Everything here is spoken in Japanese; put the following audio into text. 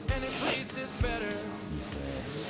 いいっすね